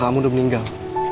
kamu udah meninggal